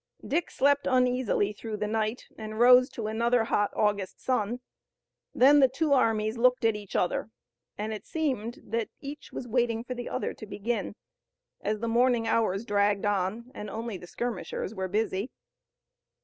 Dick slept uneasily through the night, and rose to another hot August sun. Then the two armies looked at each other and it seemed that each was waiting for the other to begin, as the morning hours dragged on and only the skirmishers were busy.